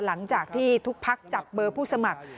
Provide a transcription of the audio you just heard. หลังจากที่ทุกพักจับเบอร์ผู้สมัคร